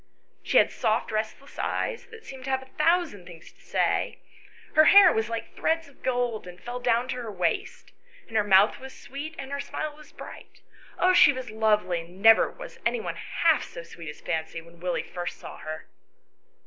She had soft 112 ANYHOW STORIES. [STOEY restless eyes that seemed to have a thousand things to say ; her hair was like threads of gold, and fell down to her waist, and her mouth was sweet, and her smile was bright. Oh, she was lovely, and never was any one half so sweet as Fancy when Willie first saw her.